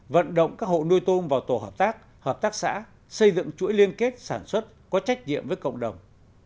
vận động các hộ nuôi tôm vào tổ hợp tác hợp tác xã xây dựng chuỗi liên kết sản xuất có trách nhiệm với cộng đồng